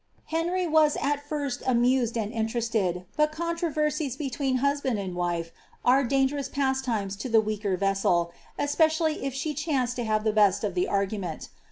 Henry was at first amused and interested, but controversies betweei husband and wife are dangerous pastimes to the weaker vessel, espe cially if she chance to have the best of the argument.